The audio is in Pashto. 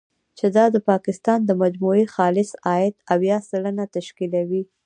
چې دا د پاکستان د مجموعي خالص عاید، اویا سلنه تشکیلوي.